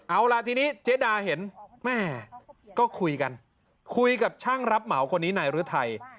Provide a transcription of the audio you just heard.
เอาล่ะทีนี้เจ๊ดาเห็นแม่ก็คุยกันคุยกับช่างรับเหมาคนนี้นายฤทัย